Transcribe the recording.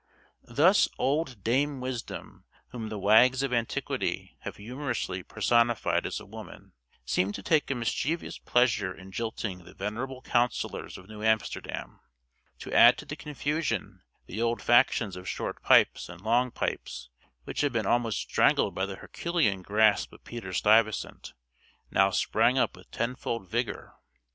Thus old Dame Wisdom (whom the wags of antiquity have humorously personified as a woman) seem to take a mischievous pleasure in jilting the venerable councillors of New Amsterdam. To add to the confusion, the old factions of Short Pipes and Long Pipes, which had been almost strangled by the Herculean grasp of Peter Stuyvesant, now sprang up with tenfold vigor.